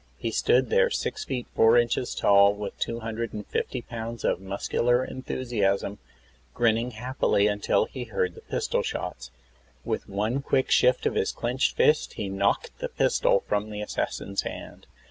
He stood there, six feet four inches tall, with two hundred and fifty pounds of muscular enthusiasm, grinning happily, until he heard the pistol shots. With one quick shift of his clenched fist he knocked the pistol from the assassin's hand.